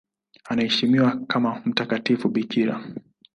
Anaheshimiwa kama mtakatifu bikira.